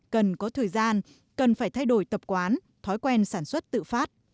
cần có thời gian cần phải thay đổi tập quán thói quen sản xuất tự phát